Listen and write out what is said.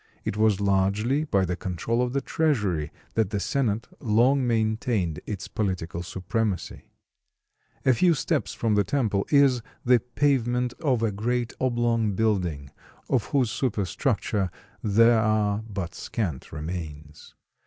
It was largely by the control of the treasury that the senate long maintained its political supremacy. A few steps from the temple is the pavement of a great oblong building, of whose superstructure there are but scant remains.